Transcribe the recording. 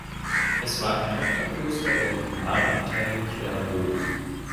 Es war ein Tochterkloster der Primarabtei Clairvaux.